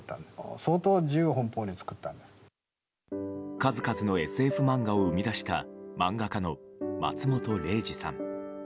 数々のＳＦ漫画を生み出した漫画家の松本零士さん。